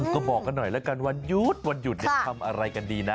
ก็บอกกันหน่อยแล้วกันวันหยุดวันหยุดทำอะไรกันดีนะ